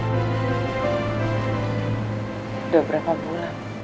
udah berapa bulan